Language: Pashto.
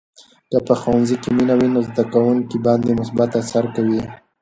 که په ښوونځي کې مینه وي، نو زده کوونکي باندې مثبت اثر کوي.